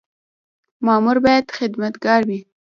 مامور باید خدمتګار وي